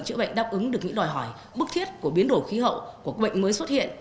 chữa bệnh đáp ứng được những đòi hỏi bức thiết của biến đổi khí hậu của bệnh mới xuất hiện